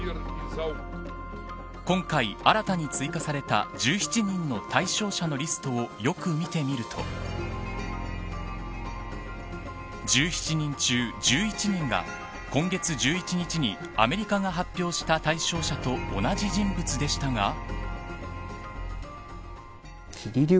今回、新たに追加された１７人の対象者のリストをよく見てみると１７人中１１人が今月１１日にアメリカが発表した対象者と同じ人物でしたが。